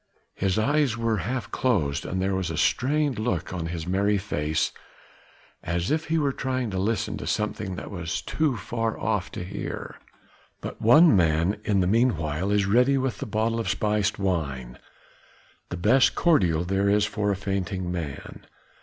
His eyes are half closed and there is a strained look on his merry face as if he were trying to listen to something that was too far off to hear. But one man in the meanwhile is ready with the bottle of spiced wine, the best cordial there is for a fainting man.